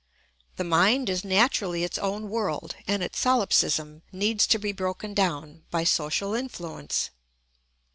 The mind is naturally its own world and its solipsism needs to be broken down by social influence.